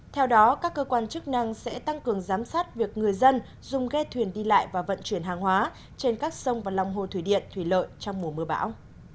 theo đó các cơ quan chức năng sẽ tăng cường giám sát việc người dân dùng ghe thuyền đi lại và vận chuyển hàng hóa trên các sông và lòng hồ thủy điện thủy lợi trong mùa mưa bão